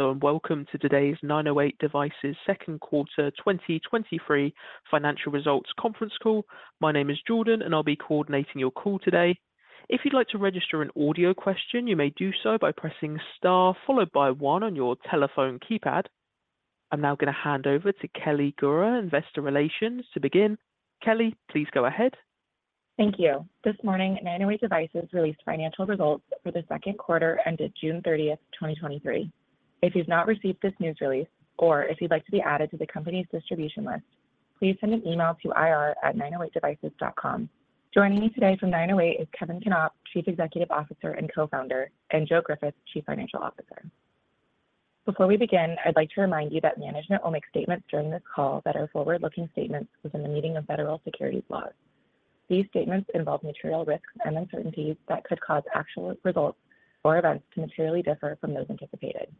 Hello, and welcome to today's 908 Devices second quarter 2023 financial results conference call. My name is Jordan, and I'll be coordinating your call today. If you'd like to register an audio question, you may do so by pressing star followed by one on your telephone keypad. I'm now going to hand over to Kelly Gura, Investor Relations, to begin. Kelly, please go ahead. Thank you. This morning, 908 Devices released financial results for the second quarter ended 30th June 2023. If you've not received this news release or if you'd like to be added to the company's distribution list, please send an email to ir@908devices.com. Joining me today from 908 is Kevin Knopp, Chief Executive Officer and Co-Founder, and Joe Griffith, Chief Financial Officer. Before we begin, I'd like to remind you that management will make statements during this call that are forward-looking statements within the meaning of federal securities laws. These statements involve material risks and uncertainties that could cause actual results or events to materially differ from those anticipated.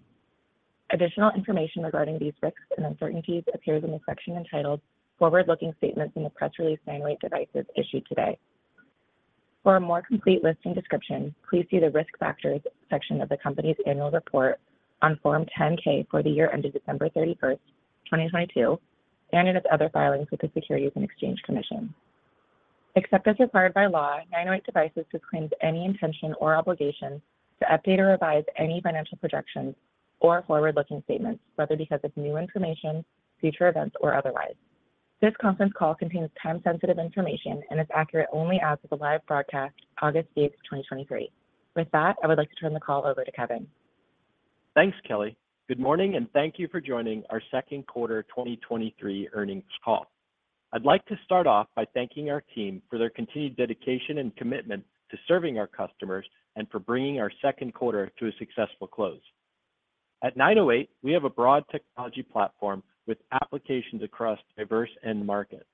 Additional information regarding these risks and uncertainties appears in the section entitled Forward-Looking Statements in the press release 908 Devices issued today. For a more complete list and description, please see the Risk Factors section of the company's annual report on Form 10-K for the year ended 31st, December 2022. In its other filings with the Securities and Exchange Commission. Except as required by law, 908 Devices disclaims any intention or obligation to update or revise any financial projections or forward-looking statements, whether because of new information, future events, or otherwise. This conference call contains time-sensitive information and is accurate only as of the live broadcast, August 8th, 2023. With that, I would like to turn the call over to Kevin. Thanks, Kelly. Good morning, and thank you for joining our second quarter 2023 earnings call. I'd like to start off by thanking our team for their continued dedication and commitment to serving our customers and for bringing our second quarter to a successful close. At 908, we have a broad technology platform with applications across diverse end markets.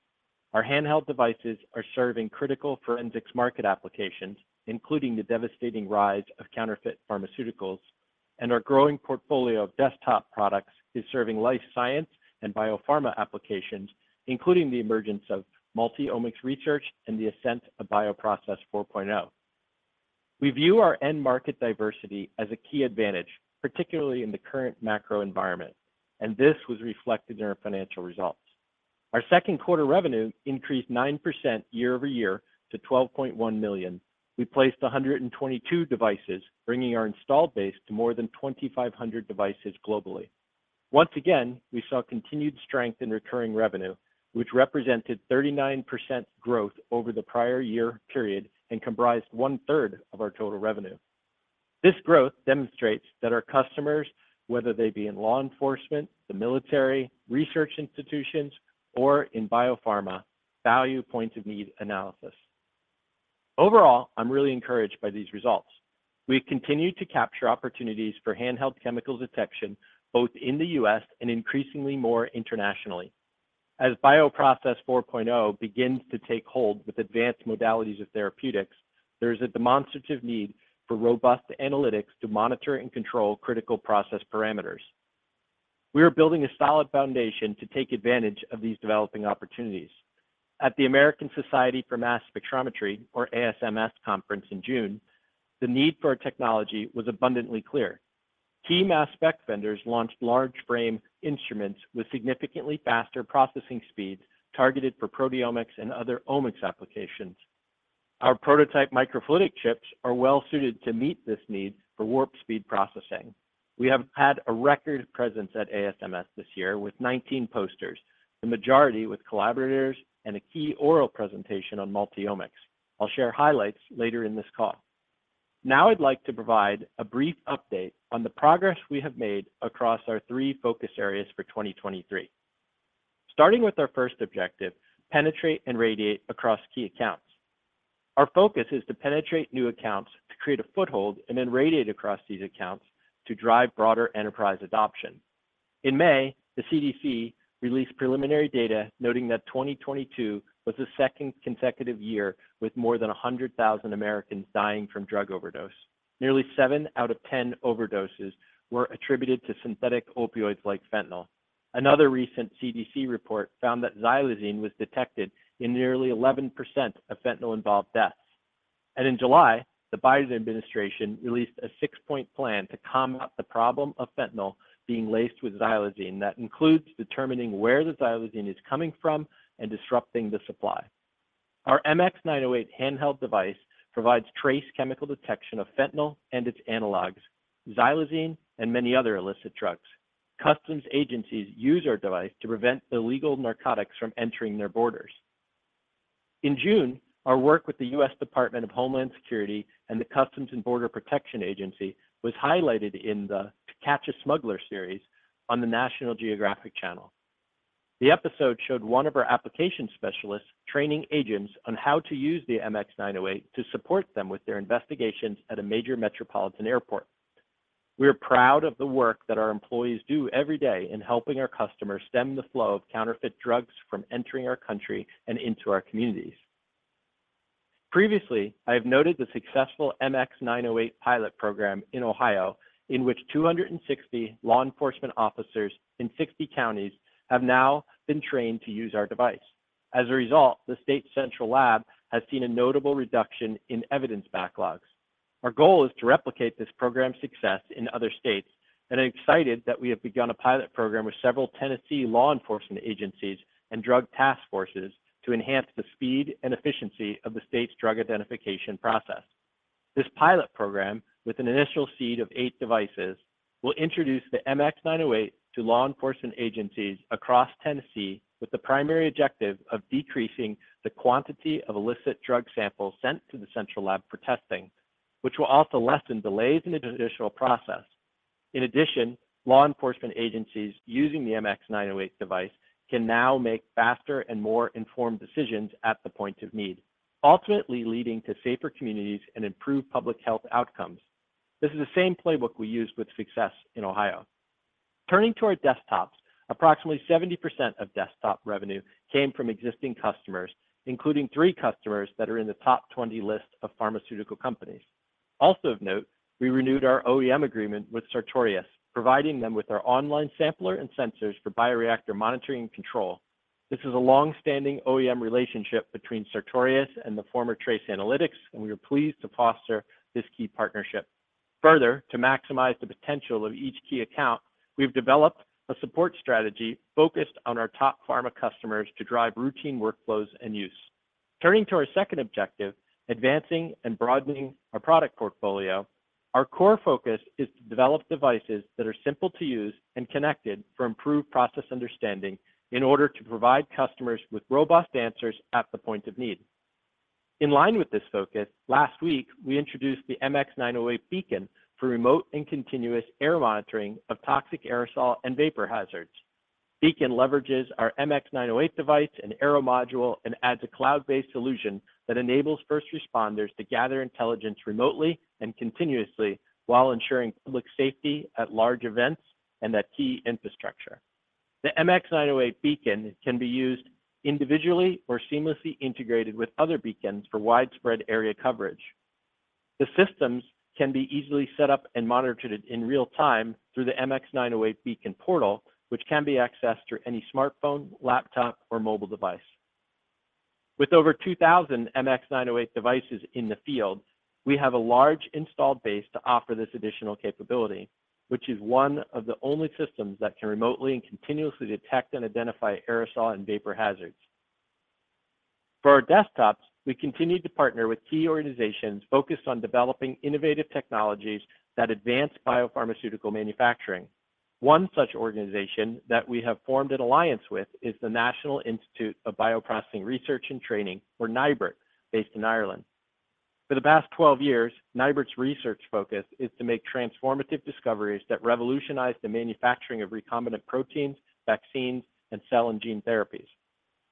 Our handheld devices are serving critical forensics market applications, including the devastating rise of counterfeit pharmaceuticals, and our growing portfolio of desktop products is serving life science and biopharma applications, including the emergence of multi-omics research and the ascent of Bioprocessing 4.0. We view our end market diversity as a key advantage, particularly in the current macro environment, and this was reflected in our financial results. Our second quarter revenue increased 9% year-over-year to $12.1 million. We placed 122 devices, bringing our installed base to more than 2,500 devices globally. Once again, we saw continued strength in recurring revenue, which represented 39% growth over the prior year period and comprised one-third of our total revenue. This growth demonstrates that our customers, whether they be in law enforcement, the military, research institutions, or in biopharma, value point of need analysis. Overall, I'm really encouraged by these results. We continue to capture opportunities for handheld chemical detection, both in the US and increasingly more internationally. As Bioprocessing 4.0 begins to take hold with advanced modalities of therapeutics, there is a demonstrative need for robust analytics to monitor and control critical process parameters. We are building a solid foundation to take advantage of these developing opportunities. At the American Society for Mass Spectrometry, or ASMS, conference in June, the need for our technology was abundantly clear. Key mass spec vendors launched large frame instruments with significantly faster processing speeds targeted for proteomics and other omics applications. Our prototype microfluidic chips are well suited to meet this need for warp speed processing. We have had a record presence at ASMS this year with 19 posters, the majority with collaborators and a key oral presentation on multi-omics. I'll share highlights later in this call. I'd like to provide a brief update on the progress we have made across our three focus areas for 2023. Starting with our first objective, penetrate and radiate across key accounts. Our focus is to penetrate new accounts, to create a foothold, and then radiate across these accounts to drive broader enterprise adoption. In May, the CDC released preliminary data noting that 2022 was the second consecutive year, with more than 100,000 Americans dying from drug overdose. Nearly 7 out of 10 overdoses were attributed to synthetic opioids like fentanyl. Another recent CDC report found that xylazine was detected in nearly 11% of fentanyl-involved deaths. In July, the Biden administration released a 6-point plan to combat the problem of fentanyl being laced with xylazine. That includes determining where the xylazine is coming from and disrupting the supply. Our MX908 handheld device provides trace chemical detection of fentanyl and its analogs, xylazine, and many other illicit drugs. Customs agencies use our device to prevent illegal narcotics from entering their borders. In June, our work with the US Department of Homeland Security and the US Customs and Border Protection was highlighted in the To Catch a Smuggler on the National Geographic Channel. The episode showed one of our application specialists training agents on how to use the MX908 to support them with their investigations at a major metropolitan airport. We are proud of the work that our employees do every day in helping our customers stem the flow of counterfeit drugs from entering our country and into our communities. Previously, I have noted the successful MX908 pilot program in Ohio, in which 260 law enforcement officers in 60 counties have now been trained to use our device. As a result, the state central lab has seen a notable reduction in evidence backlogs. Our goal is to replicate this program's success in other states, and I'm excited that we have begun a pilot program with several Tennessee law enforcement agencies and drug task forces to enhance the speed and efficiency of the state's drug identification process. This pilot program, with an initial seed of eight devices, will introduce the MX908 to law enforcement agencies across Tennessee, with the primary objective of decreasing the quantity of illicit drug samples sent to the central lab for testing, which will also lessen delays in the judicial process. In addition, law enforcement agencies using the MX908 device can now make faster and more informed decisions at the point of need, ultimately leading to safer communities and improved public health outcomes. This is the same playbook we used with success in Ohio. Turning to our desktops, approximately 70% of desktop revenue came from existing customers, including three customers that are in the top 20 list of pharmaceutical companies. Also of note, we renewed our OEM agreement with Sartorius, providing them with our online sampler and sensors for bioreactor monitoring and control. This is a long-standing OEM relationship between Sartorius and the former TRACE Analytics, and we are pleased to foster this key partnership. Further, to maximize the potential of each key account, we've developed a support strategy focused on our top pharma customers to drive routine workflows and use. Turning to our second objective, advancing and broadening our product portfolio, our core focus is to develop devices that are simple to use and connected for improved process understanding in order to provide customers with robust answers at the point of need. In line with this focus, last week we introduced the MX908 Beacon for remote and continuous air monitoring of toxic aerosol and vapor hazards. Beacon leverages our MX908 device and Aero module and adds a cloud-based solution that enables first responders to gather intelligence remotely and continuously while ensuring public safety at large events and at key infrastructure. The MX908 Beacon can be used individually or seamlessly integrated with other beacons for widespread area coverage. The systems can be easily set up and monitored in real time through the MX908 Beacon portal, which can be accessed through any smartphone, laptop, or mobile device. With over 2,000 MX908 devices in the field, we have a large installed base to offer this additional capability, which is one of the only systems that can remotely and continuously detect and identify aerosol and vapor hazards. For our desktops, we continued to partner with key organizations focused on developing innovative technologies that advance biopharmaceutical manufacturing. One such organization that we have formed an alliance with is the National Institute for Bioprocessing Research and Training, or NIBRT, based in Ireland. For the past 12 years, NIBRT's research focus is to make transformative discoveries that revolutionize the manufacturing of recombinant proteins, vaccines, and cell and gene therapies.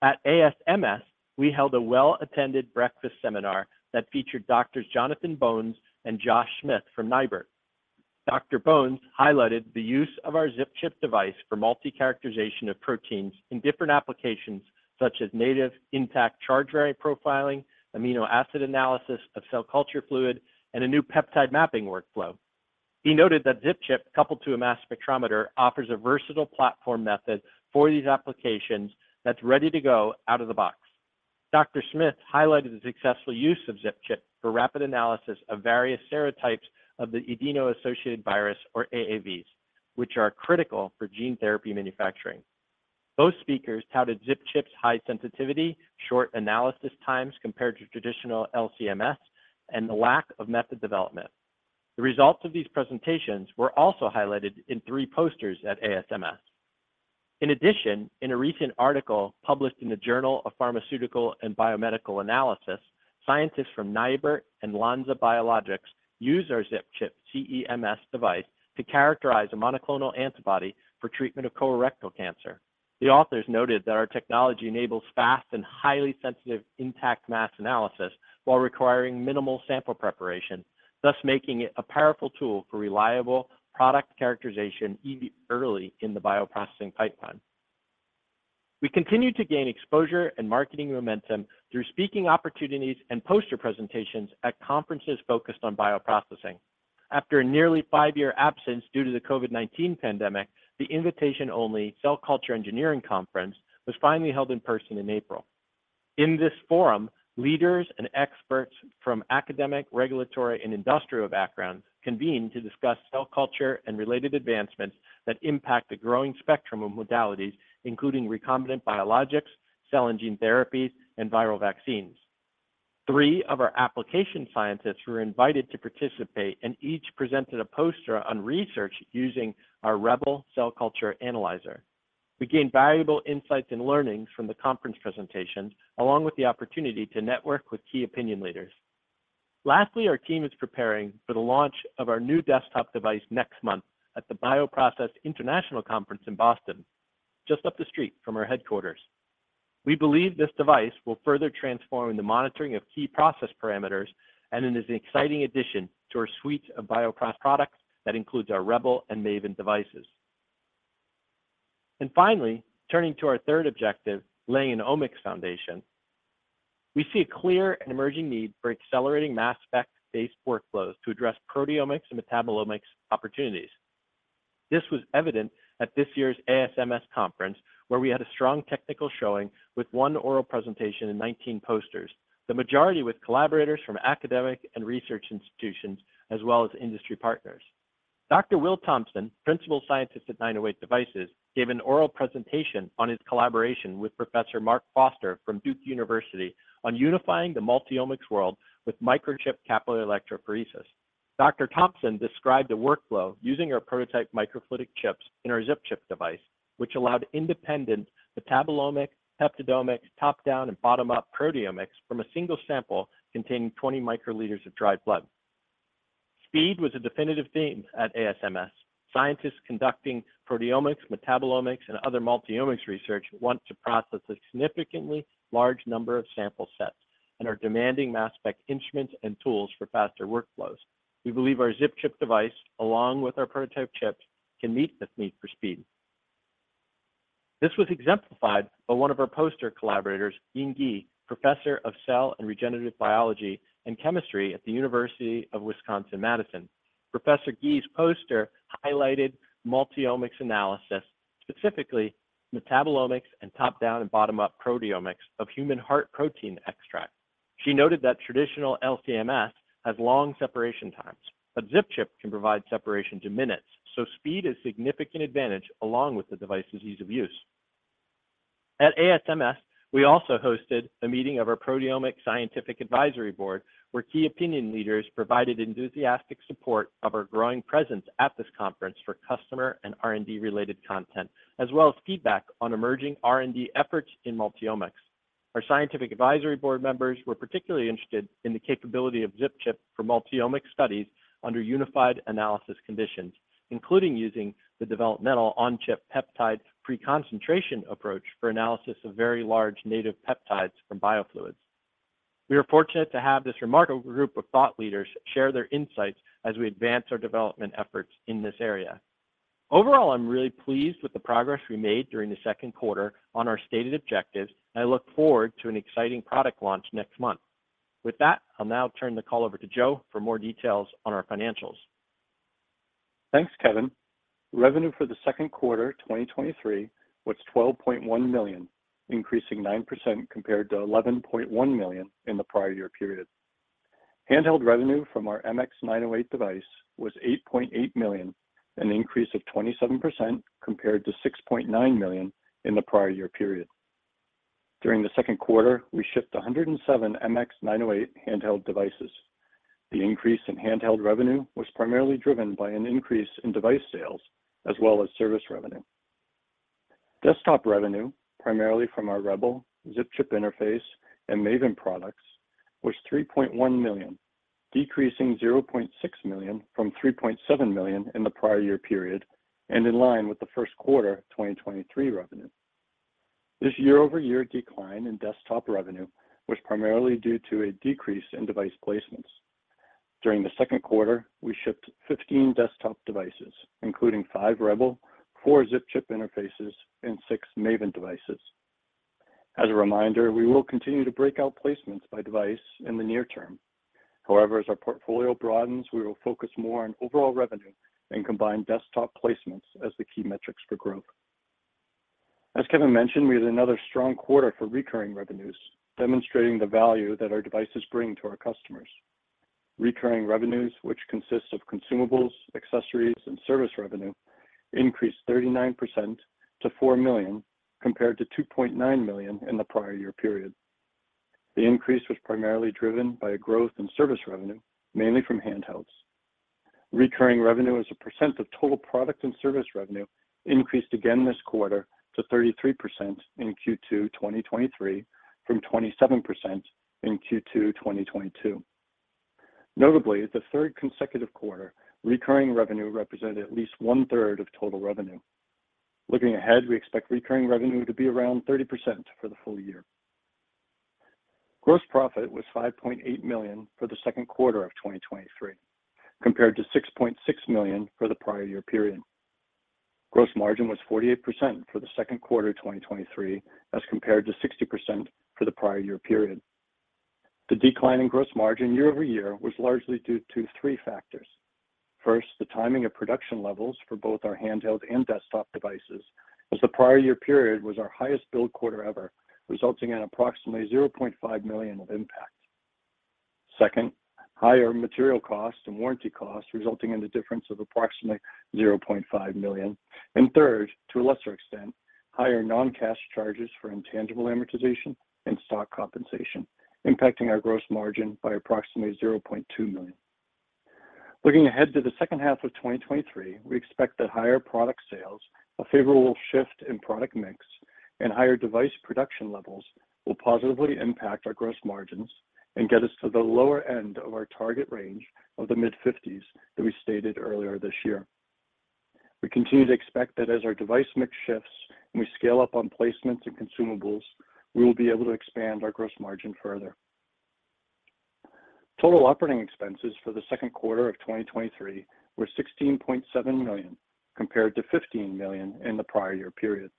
At ASMS, we held a well-attended breakfast seminar that featured Doctor Jonathan Bones and Doctor Josh Smith from NIBRT. Dr. Bones highlighted the use of our ZipChip device for multi-characterization of proteins in different applications such as native, intact charge variant profiling, amino acid analysis of cell culture fluid, and a new peptide mapping workflow. He noted that ZipChip, coupled to a mass spectrometer, offers a versatile platform method for these applications that's ready to go out of the box. Dr. Smith highlighted the successful use of ZipChip for rapid analysis of various serotypes of the adeno-associated virus, or AAVs, which are critical for gene therapy manufacturing. Both speakers touted ZipChip's high sensitivity, short analysis times compared to traditional LCMS, and the lack of method development. The results of these presentations were also highlighted in three posters at ASMS. In addition, in a recent article published in the Journal of Pharmaceutical and Biomedical Analysis, scientists from NIBRT and Lonza Biologics used our ZipChip CE-MS device to characterize a monoclonal antibody for treatment of colorectal cancer. The authors noted that our technology enables fast and highly sensitive intact mass analysis while requiring minimal sample preparation, thus making it a powerful tool for reliable product characterization early in the bioprocessing pipeline. We continued to gain exposure and marketing momentum through speaking opportunities and poster presentations at conferences focused on bioprocessing. After a nearly five-year absence due to the COVID-19 pandemic, the invitation-only Cell Culture Engineering Conference was finally held in person in April. In this forum, leaders and experts from academic, regulatory, and industrial backgrounds convened to discuss cell culture and related advancements that impact the growing spectrum of modalities, including recombinant biologics, cell and gene therapies, and viral vaccines. Three of our application scientists were invited to participate, and each presented a poster on research using our REBEL cell culture analyzer. We gained valuable insights and learnings from the conference presentations, along with the opportunity to network with key opinion leaders. Lastly, our team is preparing for the launch of our new desktop device next month at the BioProcess International Conference in Boston, just up the street from our headquarters. We believe this device will further transform the monitoring of key process parameters and it is an exciting addition to our suite of bioprocess products that includes our REBEL and MAVEN devices. Finally, turning to our third objective, laying an omics foundation. We see a clear and emerging need for accelerating mass spec-based workflows to address proteomics and metabolomics opportunities. This was evident at this year's ASMS conference, where we had a strong technical showing with 1 oral presentation and 19 posters, the majority with collaborators from academic and research institutions, as well as industry partners. Dr. Will Thompson, Principal Scientist at 908 Devices, gave an oral presentation on his collaboration with Professor Matthew Foster from Duke University on unifying the multi-omics world with microchip capillary electrophoresis. Dr. Thompson described a workflow using our prototype microfluidic chips in our ZipChip device, which allowed independent metabolomic, peptidomics, top-down, and bottom-up proteomics from a single sample containing 20 microliters of dried blood. Speed was a definitive theme at ASMS. Scientists conducting proteomics, metabolomics, and other multi-omics research want to process a significantly large number of sample sets and are demanding mass spec instruments and tools for faster workflows. We believe our ZipChip device, along with our prototype chips, can meet this need for speed. This was exemplified by one of our poster collaborators, Ying Ge, Professor of Cell and Regenerative Biology and Chemistry at the University of Wisconsin-Madison. Professor Ge's poster highlighted multi-omics analysis, specifically metabolomics and top-down and bottom-up proteomics of human heart protein extract. She noted that traditional LC-MS has long separation times, but ZipChip can provide separation to minutes, so speed is significant advantage along with the device's ease of use. At ASMS, we also hosted a meeting of our Proteomics Scientific Advisory Board, where key opinion leaders provided enthusiastic support of our growing presence at this conference for customer and R&D-related content, as well as feedback on emerging R&D efforts in multi-omics. Our scientific advisory board members were particularly interested in the capability of ZipChip for multi-omics studies under unified analysis conditions, including using the developmental on-chip peptide pre-concentration approach for analysis of very large native peptides from biofluids. We are fortunate to have this remarkable group of thought leaders share their insights as we advance our development efforts in this area. Overall, I'm really pleased with the progress we made during the second quarter on our stated objectives, and I look forward to an exciting product launch next month. With that, I'll now turn the call over to Joe for more details on our financials. Thanks, Kevin. Revenue for the second quarter 2023 was $12.1 million, increasing 9% compared to $11.1 million in the prior year period. Handheld revenue from our MX908 device was $8.8 million, an increase of 27% compared to $6.9 million in the prior year period. During the second quarter, we shipped 107 MX908 handheld devices. The increase in handheld revenue was primarily driven by an increase in device sales as well as service revenue. Desktop revenue, primarily from our REBEL, ZipChip Interface, and MAVEN products, was $3.1 million, decreasing $0.6 million from $3.7 million in the prior year period and in line with the first quarter of 2023 revenue. This year-over-year decline in desktop revenue was primarily due to a decrease in device placements. During the second quarter, we shipped 15 desktop devices, including 5 REBEL, 4 ZipChip interfaces, and 6 MAVEN devices. As a reminder, we will continue to break out placements by device in the near term. However, as our portfolio broadens, we will focus more on overall revenue and combine desktop placements as the key metrics for growth. As Kevin mentioned, we had another strong quarter for recurring revenues, demonstrating the value that our devices bring to our customers. Recurring revenues, which consists of consumables, accessories, and service revenue, increased 39% - $4 million, compared to $2.9 million in the prior year period. The increase was primarily driven by a growth in service revenue, mainly from handhelds. Recurring revenue as a percent of total product and service revenue increased again this quarter to 33% in Q2 2023 from 27% in Q2 2022. Notably, the third consecutive quarter, recurring revenue represented at least 1/3 of total revenue. Looking ahead, we expect recurring revenue to be around 30% for the full year. Gross profit was $5.8 million for the second quarter of 2023, compared to $6.6 million for the prior year period. Gross margin was 48% for the second quarter 2023, as compared to 60% for the prior year period. The decline in gross margin year-over-year was largely due to three factors. First, the timing of production levels for both our handheld and desktop devices, as the prior year period was our highest build quarter ever, resulting in approximately $0.5 million of impact. Second, higher material costs and warranty costs, resulting in a difference of approximately $0.5 million. Third, to a lesser extent, higher non-cash charges for intangible amortization and stock compensation, impacting our gross margin by approximately $0.2 million. Looking ahead to the second half of 2023, we expect that higher product sales, a favorable shift in product mix, and higher device production levels will positively impact our gross margins and get us to the lower end of our target range of the mid-fifties that we stated earlier this year. We continue to expect that as our device mix shifts and we scale up on placements and consumables, we will be able to expand our gross margin further. Total operating expenses for the second quarter of 2023 were $16.7 million, compared- $15 million in the prior year period.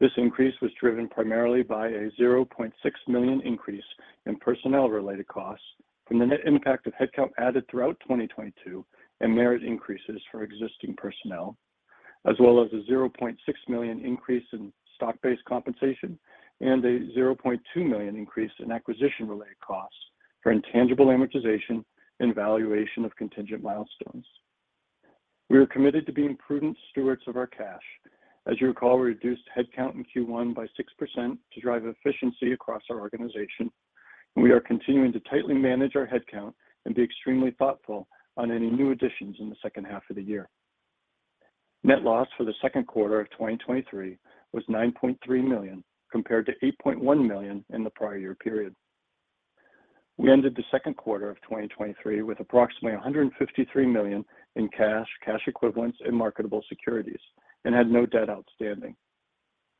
This increase was driven primarily by a $0.6 million increase in personnel-related costs from the net impact of headcount added throughout 2022 and merit increases for existing personnel, as well as a $0.6 million increase in stock-based compensation and a $0.2 million increase in acquisition-related costs for intangible amortization and valuation of contingent milestones. We are committed to being prudent stewards of our cash. As you recall, we reduced headcount in Q1 by 6% to drive efficiency across our organization. We are continuing to tightly manage our headcount and be extremely thoughtful on any new additions in the second half of the year. Net loss for the second quarter of 2023 was $9.3 million, compared -$8.1 million in the prior year period. We ended the second quarter of 2023 with approximately $153 million in cash, cash equivalents, and marketable securities, and had no debt outstanding.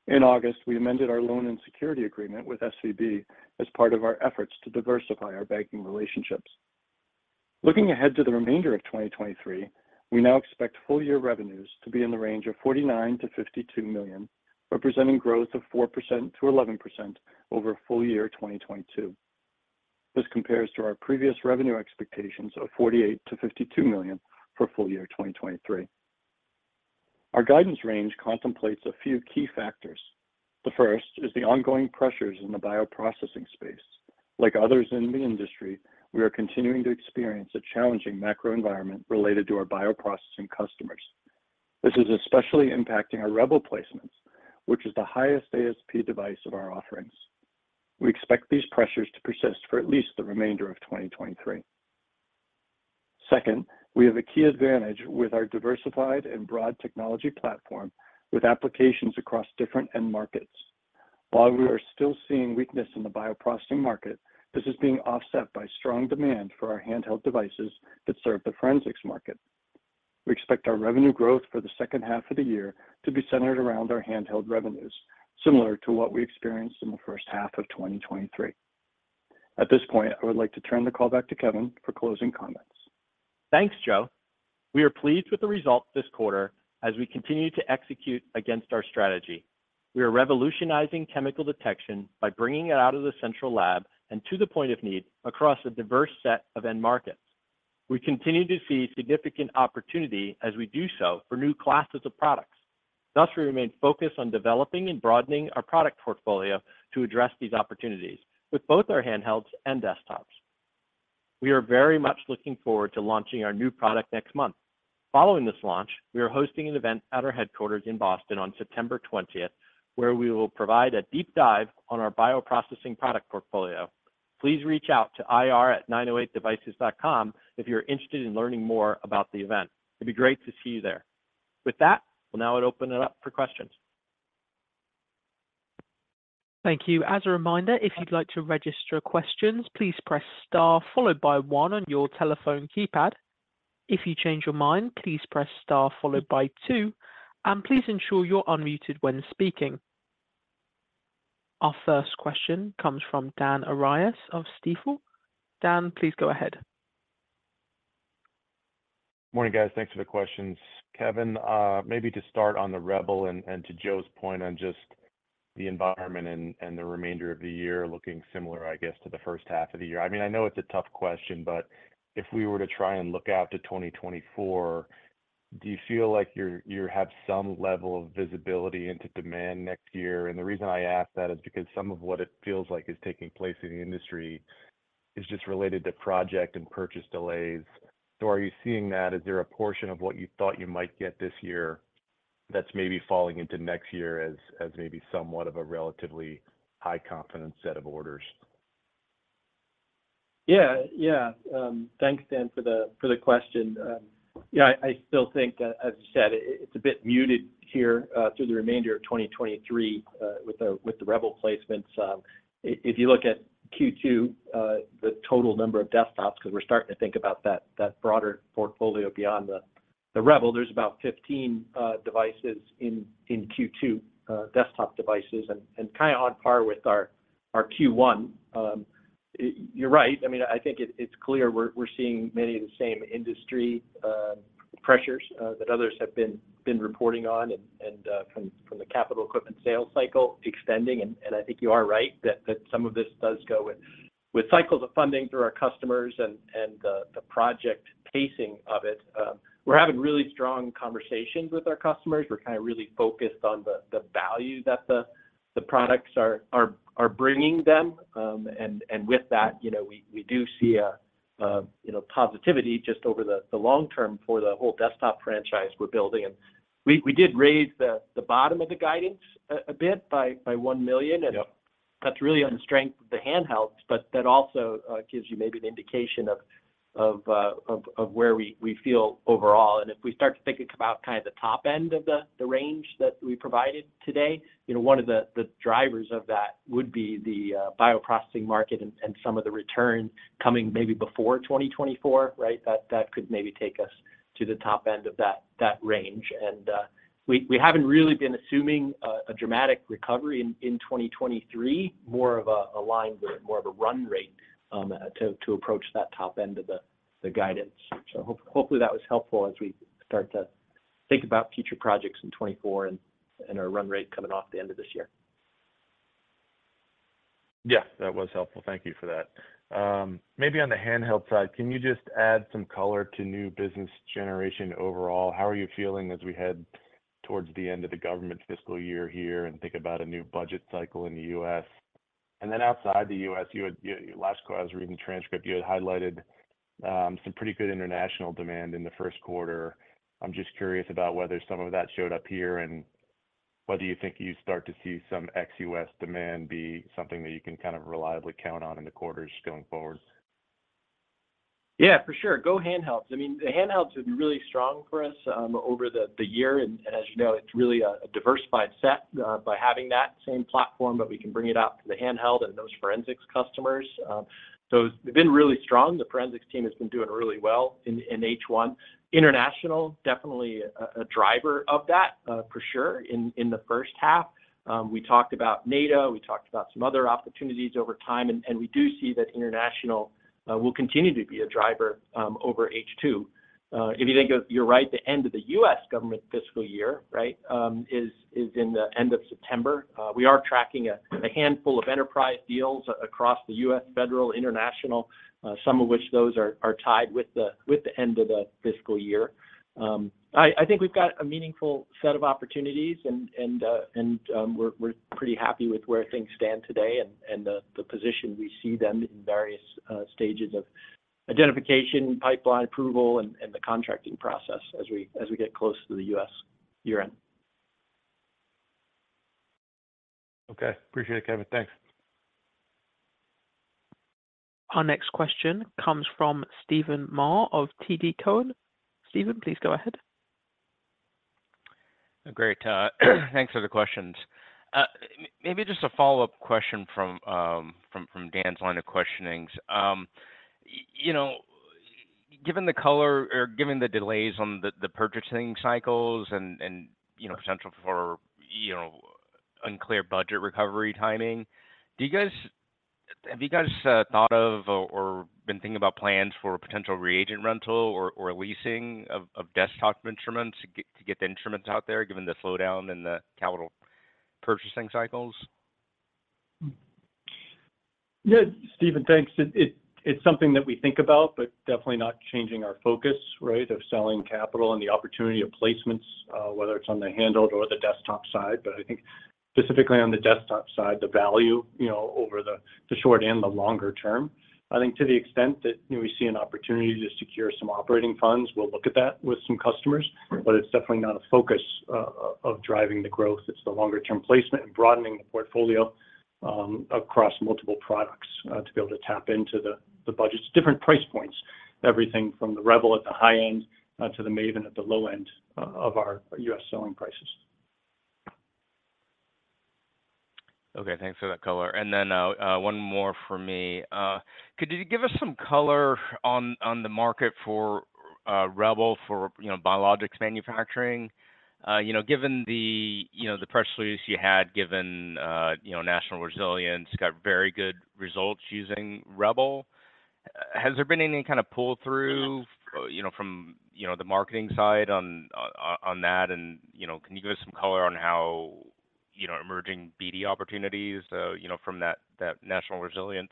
In August, we amended our loan and security agreement with SVB as part of our efforts to diversify our banking relationships. Looking ahead to the remainder of 2023, we now expect full year revenues to be in the range of $49 million-$52 million, representing growth of 4%-11% over full year 2022. This compares to our previous revenue expectations of $48 million-$52 million for full year 2023. Our guidance range contemplates a few key factors. The first is the ongoing pressures in the bioprocessing space. Like others in the industry, we are continuing to experience a challenging macro environment related to our bioprocessing customers. This is especially impacting our REBEL placements, which is the highest ASP device of our offerings. We expect these pressures to persist for at least the remainder of 2023. Second, we have a key advantage with our diversified and broad technology platform, with applications across different end markets. While we are still seeing weakness in the bioprocessing market, this is being offset by strong demand for our handheld devices that serve the forensics market. We expect our revenue growth for the second half of the year to be centered around our handheld revenues, similar to what we experienced in the first half of 2023. At this point, I would like to turn the call back to Kevin for closing comments. Thanks, Joe. We are pleased with the result this quarter as we continue to execute against our strategy. We are revolutionizing chemical detection by bringing it out of the central lab and to the point of need across a diverse set of end markets. We continue to see significant opportunity as we do so for new classes of products. Thus, we remain focused on developing and broadening our product portfolio to address these opportunities with both our handhelds and desktops. We are very much looking forward to launching our new product next month. Following this launch, we are hosting an event at our headquarters in Boston on 20th, September where we will provide a deep dive on our bioprocessing product portfolio. Please reach out to ir@908devices.com if you're interested in learning more about the event. It'd be great to see you there. With that, we'll now open it up for questions. Thank you. As a reminder, if you'd like to register questions, please press star followed by one on your telephone keypad. If you change your mind, please press star followed by two, please ensure you're unmuted when speaking. Our first question comes from Dan Arias of Stifel. Dan, please go ahead. Morning, guys. Thanks for the questions. Kevin, maybe to start on the REBEL and to Joe's point on just the environment and the remainder of the year looking similar, I guess, to the first half of the year. I mean, I know it's a tough question, but if we were to try and look out to 2024, do you feel like you have some level of visibility into demand next year? The reason I ask that is because some of what it feels like is taking place in the industry is just related to project and purchase delays. Are you seeing that? Is there a portion of what you thought you might get this year that's maybe falling into next year as, as maybe somewhat of a relatively high confidence set of orders? Yeah. Yeah, thanks, Dan, for the question. Yeah, I still think that, as you said, it's a bit muted here through the remainder of 2023 with the REBEL placements. If you look at Q2, the total number of desktops, 'cause we're starting to think about that broader portfolio beyond the REBEL, there's about 15 devices in Q2, desktop devices, and kind of on par with our Q1. You're right. I mean, I think it's clear we're seeing many of the same industry pressures that others have been reporting on and from the capital equipment sales cycle extending. I think you are right that, that some of this does go with, with cycles of funding through our customers and, and the, the project pacing of it. We're having really strong conversations with our customers. We're kind of really focused on the, the value that the, the products are, are, are bringing them. With that, you know, we, we do see a, a, you know, positivity just over the, the long term for the whole desktop franchise we're building. We did raise the, the bottom of the guidance a, a bit by, by $1 million. Yep And that's really on the strength of the handhelds, but that also gives you maybe an indication of, of, of where we, we feel overall. If we start to think about kind of the top end of the, the range that we provided today, you know, one of the, the drivers of that would be the bioprocessing market and, and some of the return coming maybe before 2024, right? That, that could maybe take us to the top end of that, that range. We, we haven't really been assuming a, a dramatic recovery in, in 2023, more of a, a line or more of a run rate to, to approach that top end of the, the guidance. Hopefully, that was helpful as we start to-think about future projects in 2024 and, and our run rate coming off the end of this year. Yeah, that was helpful. Thank you for that. Maybe on the handheld side, can you just add some color to new business generation overall? How are you feeling as we head towards the end of the government fiscal year here and think about a new budget cycle in the US? Then outside the US, last call, I was reading the transcript, you had highlighted, some pretty good international demand in the first quarter. I'm just curious about whether some of that showed up here, and whether you think you start to see some ex-US demand be something that you can kind of reliably count on in the quarters going forward. Yeah, for sure. Go handhelds. I mean, the handhelds have been really strong for us, over the year, and as you know, it's really a diversified set, by having that same platform, but we can bring it out to the handheld and those forensics customers. They've been really strong. The forensics team has been doing really well in H1. International, definitely a driver of that, for sure in the first half. We talked about NATO, we talked about some other opportunities over time, and we do see that international will continue to be a driver over H2. If you think of, you're right, the end of the US government fiscal year, right, is in the end of September. We are tracking a handful of enterprise deals across the US federal, international, some of which those are tied with the end of the fiscal year. I think we've got a meaningful set of opportunities and we're pretty happy with where things stand today and the position we see them in various stages of identification, pipeline approval, and the contracting process as we get close to the US year-end. Okay. Appreciate it, Kevin. Thanks. Our next question comes from Steven Mah of TD Cowen. Steven, please go ahead. Great. Thanks for the questions. Maybe just a follow-up question from, from, from Dan's line of questionings. You know, given the color or given the delays on the, the purchasing cycles and, and, you know, potential for, you know, unclear budget recovery timing, have you guys, thought of or, or been thinking about plans for a potential reagent rental or, or leasing of, of desktop instruments to get, to get the instruments out there, given the slowdown in the capital purchasing cycles? Yeah, Steven, thanks. It's something that we think about, but definitely not changing our focus, right, of selling capital and the opportunity of placements, whether it's on the handheld or the desktop side. I think specifically on the desktop side, the value, you know, over the, the short and the longer term. I think to the extent that, you know, we see an opportunity to secure some operating funds, we'll look at that with some customers. Right. It's definitely not a focus, of, of driving the growth. It's the longer term placement and broadening the portfolio, across multiple products, to be able to tap into the, the budgets. Different price points, everything from the REBEL at the high end, to the MAVEN at the low end of our US selling prices. Okay, thanks for that color. Then, one more for me. Could you give us some color on, on the market for, REBEL, for, you know, biologics manufacturing? You know, given the, you know, the press release you had, given, you know, National Resilience got very good results using REBEL, has there been any kind of pull-through, you know, from, you know, the marketing side on, o- on that? You know, can you give us some color on how, you know, emerging BD opportunities, you know, from that, that National Resilience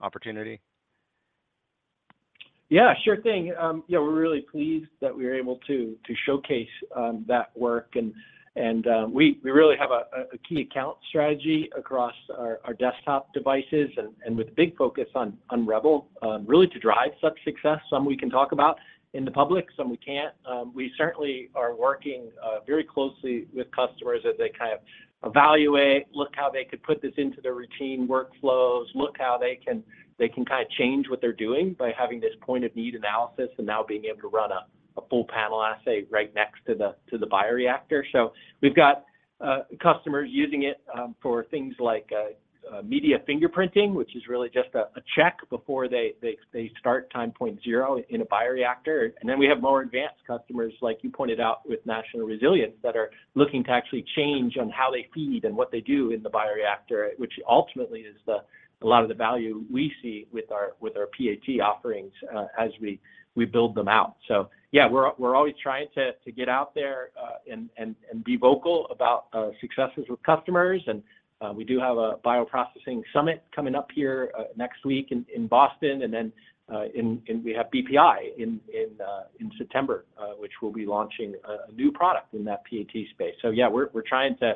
opportunity? Yeah, sure thing. Yeah, we're really pleased that we were able to, to showcase that work. We, we really have a, a key account strategy across our, our desktop devices and, and with a big focus on, on REBEL, really to drive such success. Some we can talk about in the public, some we can't. We certainly are working very closely with customers as they kind of evaluate, look how they could put this into their routine workflows, look how they can- they can kind of change what they're doing by having this point of need analysis, and now being able to run a, a full panel assay right next to the, to the bioreactor. We've got customers using it for things like media fingerprinting, which is really just a check before they start time point zero in a bioreactor. Then we have more advanced customers, like you pointed out with National Resilience, that are looking to actually change on how they feed and what they do in the bioreactor, which ultimately is a lot of the value we see with our, with our PAT offerings as we build them out. Yeah, we're always trying to get out there and be vocal about successes with customers. We do have a Bioprocessing Summit coming up here next week in Boston, and then we have BPI in September, which we'll be launching a new product in that PAT space. Yeah, we're trying to,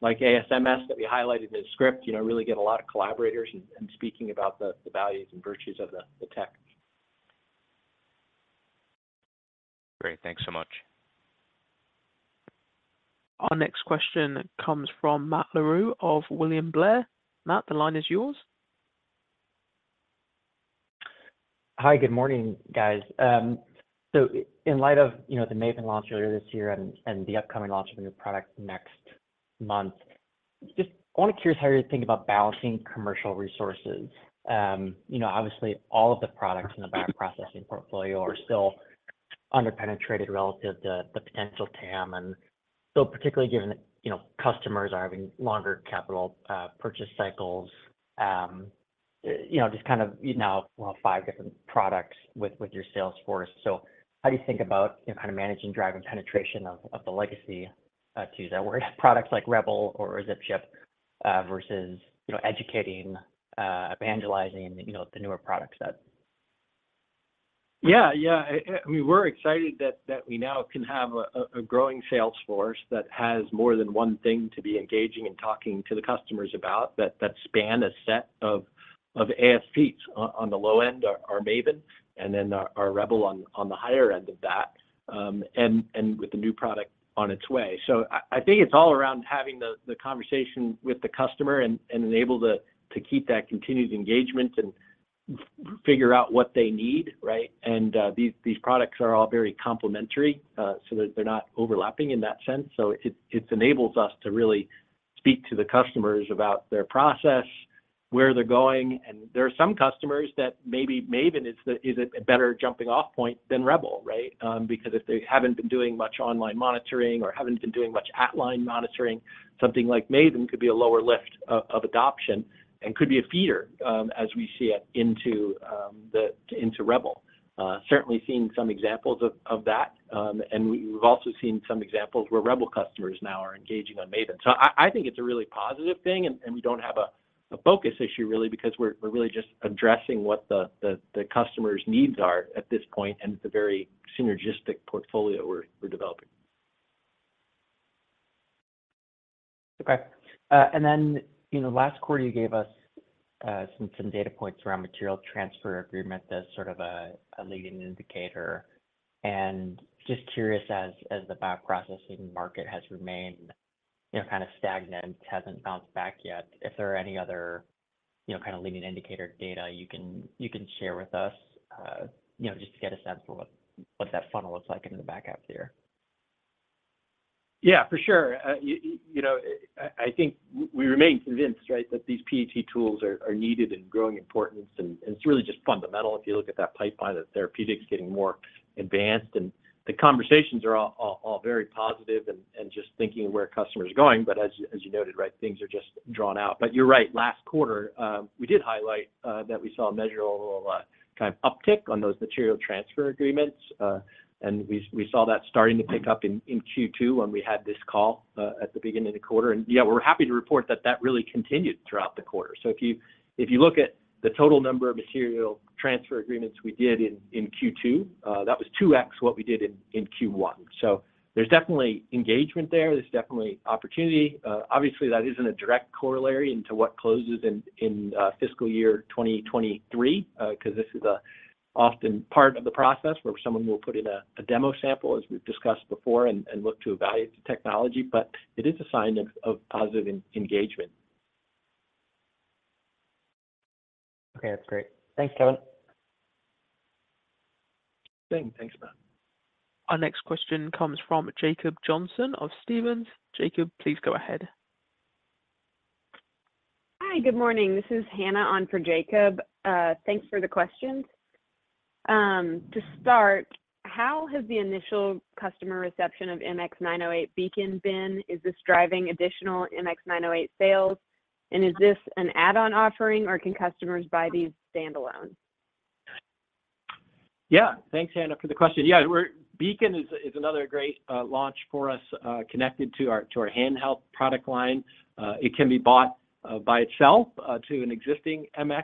like ASMS that we highlighted in the script, you know, really get a lot of collaborators and speaking about the values and virtues of the tech. Great. Thanks so much. Our next question comes from Matt Larew of William Blair. Matt, the line is yours. Hi, good morning, guys. In light of, you know, the MAVEN launch earlier this year and the upcoming launch of a new product next month, just only curious how you're thinking about balancing commercial resources. You know, obviously, all of the products in the bioprocessing portfolio are still under-penetrated relative to the potential TAM. Particularly given that, you know, customers are having longer capital purchase cycles, you know, just kind of, you know, well, five different products with your sales force, how do you think about, you know, kind of managing, driving penetration of the legacy, to use that word, products like REBEL or ZipChip, versus, you know, educating, evangelizing, the newer product set? Yeah, I mean, we're excited that, that we now can have a, a, a growing sales force that has more than one thing to be engaging and talking to the customers about, that, that span a set of, of ASPs. On, on the low end are, are MAVEN, and then our, our REBEL on, on the higher end of that, and with the new product on its way. I, I think it's all around having the, the conversation with the customer and, and enable to keep that continued engagement and figure out what they need, right? These, these products are all very complementary, so that they're not overlapping in that sense. It enables us to really speak to the customers about their process, where they're going, and there are some customers that maybe MAVEN is a, a better jumping-off point than REBEL, right? Because if they haven't been doing much online monitoring or haven't been doing much at-line monitoring, something like MAVEN could be a lower lift of, of adoption and could be a feeder, as we see it, into REBEL. Certainly seen some examples of, of that. And we've also seen some examples where REBEL customers now are engaging on MAVEN. I, I think it's a really positive thing, and, and we don't have a, a focus issue really, because we're, we're really just addressing what the, the, the customer's needs are at this point, and it's a very synergistic portfolio we're, we're developing. Okay. Then, you know, last quarter you gave us some data points around material transfer agreement as sort of a leading indicator. Just curious, as the bioprocessing market has remained, you know, kind of stagnant, hasn't bounced back yet, if there are any other, you know, kind of leading indicator data you can share with us, you know, just to get a sense for what that funnel looks like into the back half of the year. Yeah, for sure. You know, I, I think we remain convinced, right, that these PAT tools are, are needed and growing in importance, and it's really just fundamental if you look at that pipeline of therapeutics getting more advanced. The conversations are all very positive and just thinking of where customers are going. As you, as you noted, right, things are just drawn out. You're right. Last quarter, we did highlight that we saw a measurable kind of uptick on those material transfer agreements. We saw that starting to pick up in Q2 when we had this call at the beginning of the quarter. Yeah, we're happy to report that that really continued throughout the quarter. If you look at the total number of material transfer agreements we did in, in Q2, that was 2x what we did in, in Q1. There's definitely engagement there. There's definitely opportunity. Obviously, that isn't a direct corollary into what closes in, in fiscal year 2023, because this is a often part of the process where someone will put in a, a demo sample, as we've discussed before, and, and look to evaluate the technology, but it is a sign of, of positive engagement. Okay, that's great. Thanks, Kevin. Thanks. Thanks, Matt. Our next question comes from Jacob Johnson of Stephens. Jacob, please go ahead. Hi, good morning. This is Hannah on for Jacob. Thanks for the questions. To start, how has the initial customer reception of MX908 Beacon been? Is this driving additional MX908 sales, and is this an add-on offering, or can customers buy these standalone? Yeah. Thanks, Hannah, for the question. Yeah, we're Beacon is another great launch for us connected to our handheld product line. It can be bought by itself to an existing MX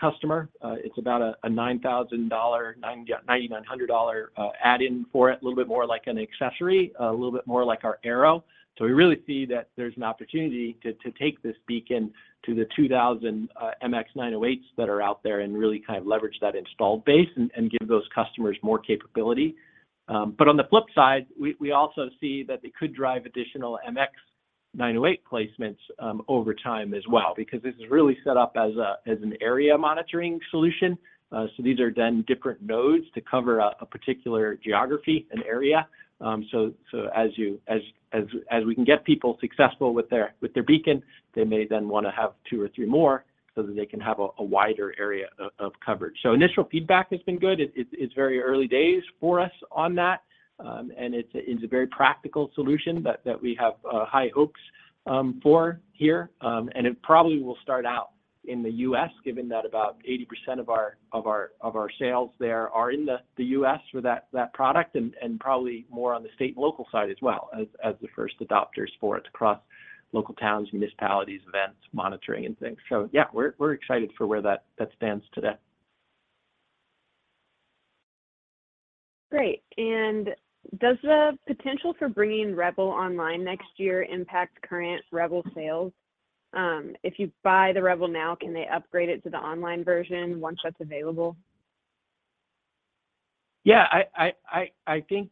customer. It's about a $9,000-$9,900 add-in for it, a little bit more like an accessory, a little bit more like our Aero. We really see that there's an opportunity to take this Beacon to the 2,000 MX908s that are out there and really kind of leverage that installed base and give those customers more capability. On the flip side, we also see that they could drive additional MX908 placements over time as well, because this is really set up as an area monitoring solution. These are then different nodes to cover a particular geography and area. As we can get people successful with their Beacon, they may then wanna have two or three more so that they can have a wider area of coverage. Initial feedback has been good. It's very early days for us on that, it's a very practical solution that we have high hopes for here. It probably will start out in the US, given that about 80% of our sales there are in the US for that product and probably more on the state and local side as well as the first adopters for it across local towns, municipalities, events, monitoring, and things. Yeah, we're excited for where that, that stands today. Great. Does the potential for bringing REBEL online next year impact current REBEL sales? If you buy the REBEL now, can they upgrade it to the online version once that's available? Yeah, I think,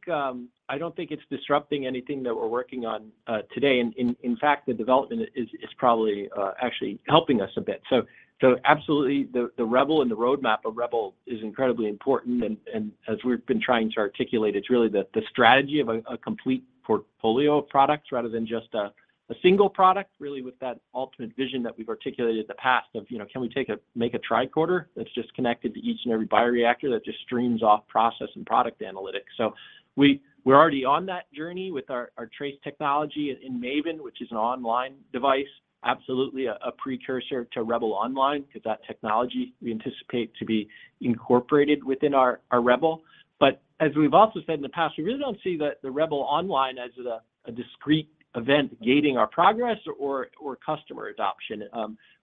I don't think it's disrupting anything that we're working on, today. In, in fact, the development is, is probably, actually helping us a bit. Absolutely, the, the REBEL and the roadmap of REBEL is incredibly important, and, and as we've been trying to articulate, it's really the, the strategy of a, a complete portfolio of products rather than just a, a single product, really with that ultimate vision that we've articulated in the past of, you know, can we take a, make a tricorder that's just connected to each and every bioreactor that just streams off process and product analytics? We're already on that journey with our, our TRACE technology in MAVEN, which is an online device, absolutely a, a precursor to REBEL Online, because that technology we anticipate to be incorporated within our, our REBEL. As we've also said in the past, we really don't see the, the REBEL Online as a, a discrete event gating our progress or, or customer adoption.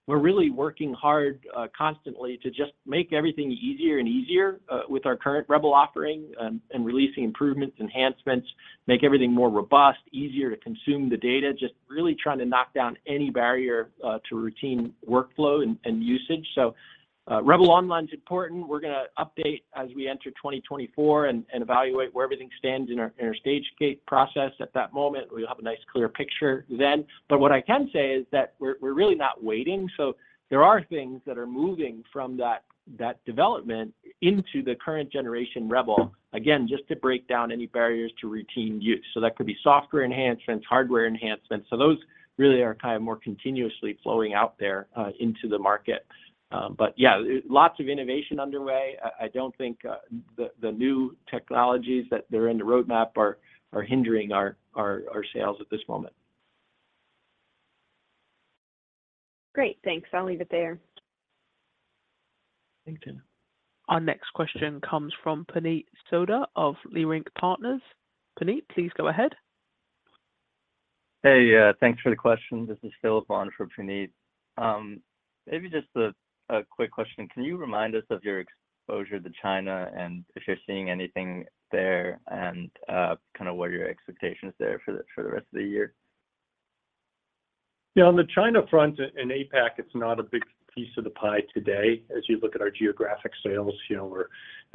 We're really working hard, constantly to just make everything easier and easier, with our current REBEL offering, and releasing improvements, enhancements, make everything more robust, easier to consume the data, just really trying to knock down any barrier, to routine workflow and, and usage. REBEL Online's important. We're gonna update as we enter 2024 and, and evaluate where everything stands in our, in our Stage-Gate process at that moment. We'll have a nice, clear picture then. What I can say is that we're, we're really not waiting, there are things that are moving from that, that development into the current generation REBEL, again, just to break down any barriers to routine use. That could be software enhancements, hardware enhancements. Those really are kind of more continuously flowing out there into the market. Yeah, lots of innovation underway. I, I don't think the, the new technologies that they're in the roadmap are, are hindering our, our, our sales at this moment. Great, thanks. I'll leave it there. Thank you. Our next question comes from Puneet Souda of Leerink Partners. Puneet, please go ahead. Hey, thanks for the question. This is Philip on for Puneet. Maybe just a, a quick question. Can you remind us of your exposure to China, and if you're seeing anything there, and, kind of what are your expectations there for the, for the rest of the year? Yeah, on the China front, in APAC, it's not a big piece of the pie today. As you look at our geographic sales, you know, we're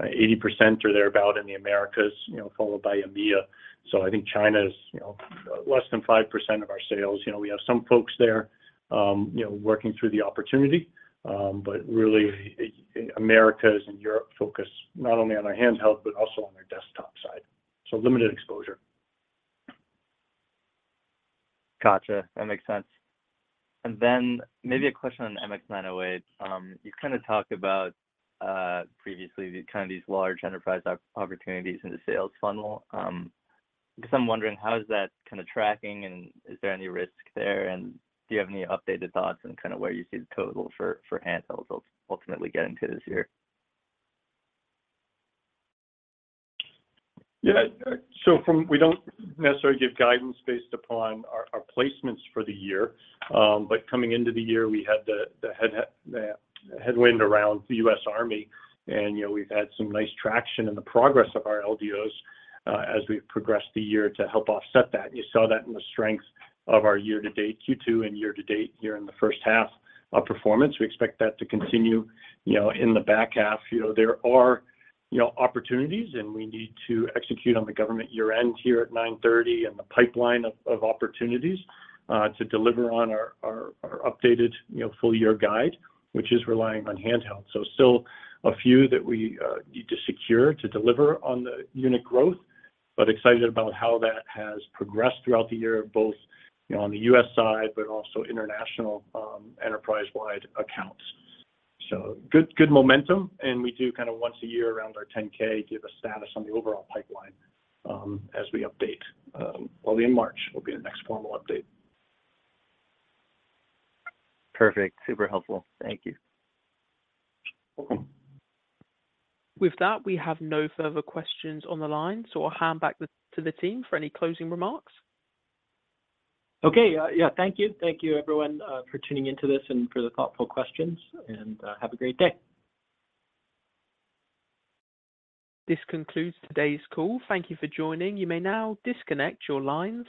80% or thereabout in the Americas, you know, followed by EMEA. I think China is, you know, less than 5% of our sales. You know, we have some folks there, you know, working through the opportunity, but really, Americas and Europe focus not only on our handheld, but also on their desktop side. Limited exposure. Gotcha. That makes sense. Then maybe a question on MX908. You kind of talked about previously, kind of these large enterprise opportunities in the sales funnel. Because I'm wondering, how is that kind of tracking, and is there any risk there, and do you have any updated thoughts on kind of where you see the total for, for handhelds ultimately getting to this year? Yeah. From we don't necessarily give guidance based upon our, our placements for the year, but coming into the year, we had the headwind around the US Army, and you know, we've had some nice traction in the progress of our LDOs as we've progressed the year to help offset that. You saw that in the strength of our year-to-date Q2 and year-to-date here in the first half of performance. We expect that to continue, you know, in the back half. You know, there are, you know, opportunities, and we need to execute on the government year-end here at 9/30 and the pipeline of opportunities to deliver on our updated, you know, full-year guide, which is relying on handheld. Still a few that we need to secure to deliver on the unit growth, but excited about how that has progressed throughout the year, both, you know, on the US side, but also international, enterprise-wide accounts. Good, good momentum, and we do kind of once a year around our 10-K, give a status on the overall pipeline as we update. Probably in March will be the next formal update. Perfect. Super helpful. Thank you. Welcome. With that, we have no further questions on the line, so I'll hand back to the team for any closing remarks. Okay. Yeah, thank you. Thank you, everyone, for tuning in to this and for the thoughtful questions, and, have a great day. This concludes today's call. Thank you for joining. You may now disconnect your lines.